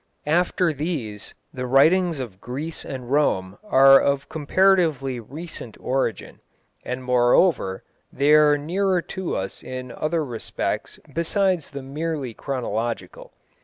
After these the writings of Greece and Rome are of comparatively recent origin, and moreover, they are nearer to us in other respects besides the merely chronological.